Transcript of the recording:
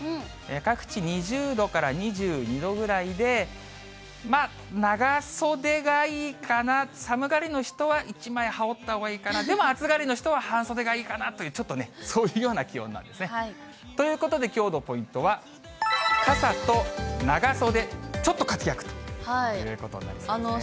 各地、２０度から２２度ぐらいで、長袖がいいかな、寒がりの人は１枚羽織ったほうがいいかな、でも暑がりの人は半袖がいいかなという、ちょっとね、そういうような気温なんですね。ということで、きょうのポイントは、傘と長袖、ちょっと活躍ということになりそうですね。